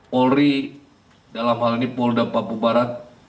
polri dalam hal ini polda papua barat